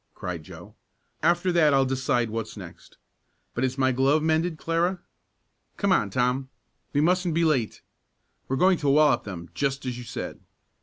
cried Joe. "After that I'll decide what's next. But is my glove mended, Clara? Come on, Tom, we mustn't be late. We're going to wallop them just as you said."